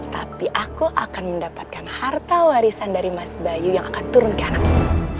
tapi aku akan mendapatkan harta warisan dari mas bayu yang akan turun ke anaknya